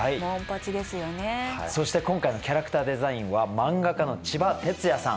そして今回のキャラクターデザインは漫画家のちばてつやさん。